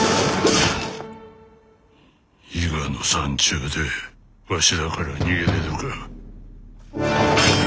伊賀の山中でわしらから逃げれるか？